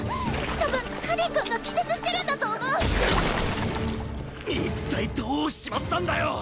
多分カディ君が気絶してるんだと思う一体どうしちまったんだよ！